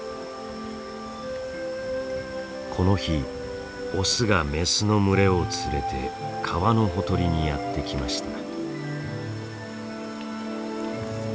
この日オスがメスの群れを連れて川のほとりにやって来ました。